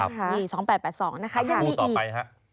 ครับอี๒๘๘๒นะคะยังมีอีคู่ต่อไปครับ